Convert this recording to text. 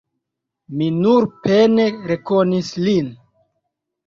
Mi nur pene rekonis lin.